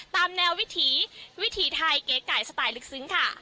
ตามแนววิถีวิถีไทยเก๋ไก่สไตล์ลึกซึ้งค่ะ